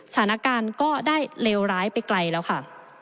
สถานการณ์ก็ได้เลวร้ายไปไกลแล้วค่ะ